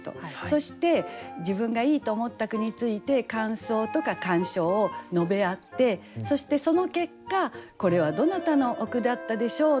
そして自分がいいと思った句について感想とか鑑賞を述べ合ってそしてその結果「これはどなたのお句だったでしょう？」